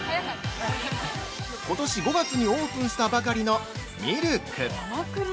ことし５月にオープンしたばかりの「ミルク」。